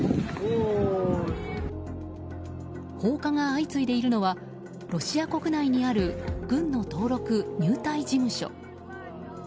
放火が相次いでいるのはロシア国内にある軍の登録・入隊事務所。